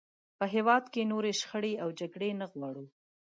په هېواد کې نورې شخړې او جګړې نه غواړو.